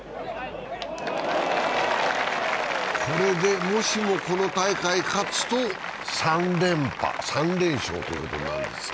これでもしもこの大会勝つと、３連勝ということになるんですが。